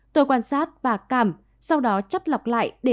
tôi quan sát và cảm sau đó chấp lọc lại để tìm